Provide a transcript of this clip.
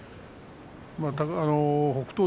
北勝